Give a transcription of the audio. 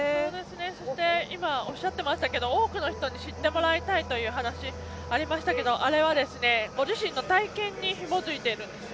そしておっしゃっていましたが多くの人に知ってもらいたいという話がありましたが、あれはご自身の体験にひもづいているんです。